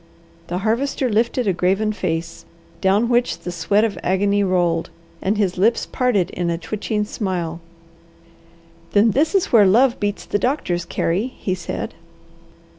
The Harvester lifted a graven face, down which the sweat of agony rolled, and his lips parted in a twitching smile. "Then this is where love beats the doctors, Carey!" he said.